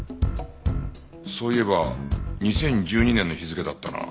そういえば２０１２年の日付だったな。